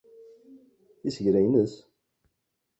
Tiseggra-ines?